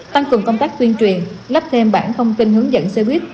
tăng cường công tác tuyên truyền lắp thêm bản thông tin hướng dẫn xe buýt